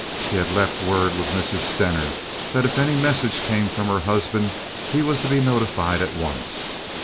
He had left word with Mrs. Stener that if any message came from her husband he was to be notified at once.